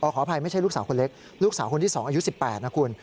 ขออภัยไม่ใช่ลูกสาวคนเล็กลูกสาวคนที่๒อายุ๑๘นะคุณ